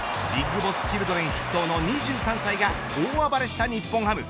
ＢＩＧＢＯＳＳチルドレン筆頭の２３歳が大暴れした日本ハム。